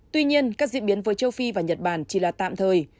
tuy nhiên các diễn biến với châu phi và nhật bản chỉ là tạm thời